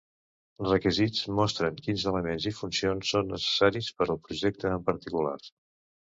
Requisits mostren quins elements i funcions són necessaris per al projecte en particular.